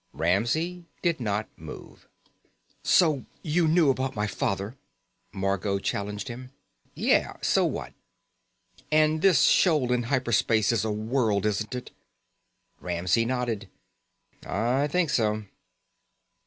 Ramsey did not move. "So you knew about my father," Margot challenged him. "Yeah. So what?" "And this shoal in hyper space is a world, isn't it?" Ramsey nodded. "I think so."